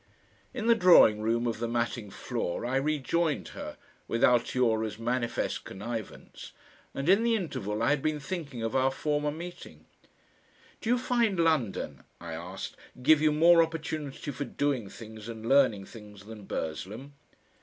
In the drawing room of the matting floor I rejoined her, with Altiora's manifest connivance, and in the interval I had been thinking of our former meeting. "Do you find London," I asked, "give you more opportunity for doing things and learning things than Burslem?"